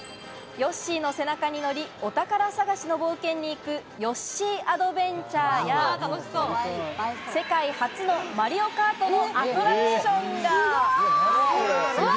ヨッシーの背中にのり、お宝探しの冒険に行くヨッシーアドベンチャーや、世界初のマリオカートのアトラクションが。